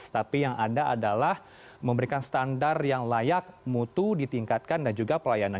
tapi yang ada adalah memberikan standar yang layak mutu ditingkatkan dan juga pelayanan